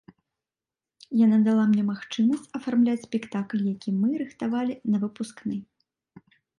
Яна дала мне магчымасць афармляць спектакль, які мы рыхтавалі на выпускны.